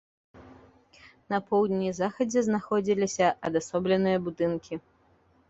На поўдні і захадзе знаходзіліся адасобленыя будынкі.